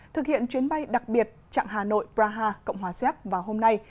thực hiện chuyến bay đặc biệt trạng hà nội braha cộng hòa xét vào hôm nay